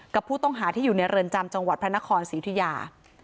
กับผู้ต้องหาที่อยู่ในเรือนจำจังหวัดพระนครศรีอุทิยา